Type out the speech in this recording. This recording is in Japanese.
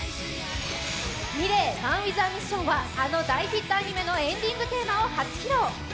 ｍｉｌｅｔ×ＭＡＮＷＩＴＨＡＭＩＳＳＩＯＮはあの大ヒットアニメのエンディングテーマを初披露。